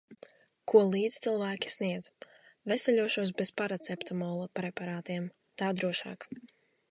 Ko līdzcilvēki sniedz. Veseļošos bez paraceptamola preparātiem – tā drošāk.